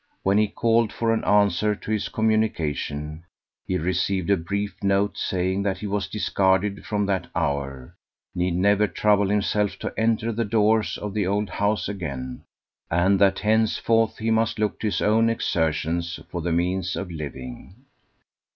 When he called for an answer to his communication, he received a brief note, saying that he was discarded from that hour, need never trouble himself to enter the doors of the old house again, and that henceforth he must look to his own exertions for the means of living.